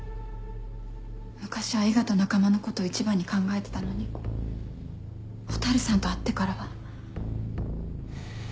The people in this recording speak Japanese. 昔は伊賀と仲間のことを一番に考えてたのに蛍さんと会ってからは。